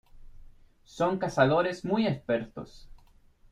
Son cazadores muy expertos.